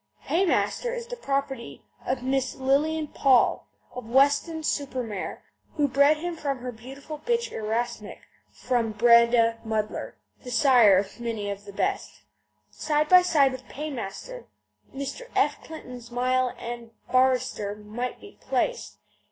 Paymaster is the property of Miss Lilian Paull, of Weston super Mare, who bred him from her beautiful bitch Erasmic, from Breda Muddler, the sire of many of the best. Side by side with Paymaster, Mr. F. Clifton's Mile End Barrister might be placed.